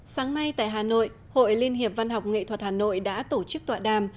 sáng nay tại hà nội hội liên hiệp văn học nghệ thuật hà nội đã tổ chức tọa đàm